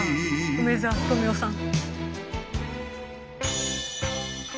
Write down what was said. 梅沢富美男さん。